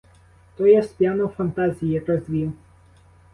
То я сп'яну фантазії розвів.